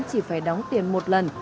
chỉ phải đóng tiền một lần